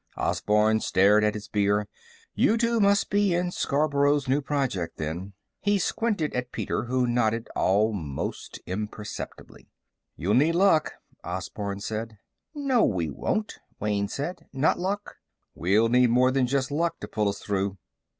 Osborne stared at his beer. "You two must be in Scarborough's new project, then." He squinted at Peter, who nodded almost imperceptibly. "You'll need luck," Osborne said. "No we won't," Wayne said. "Not luck. We'll need more than just luck to pull us through."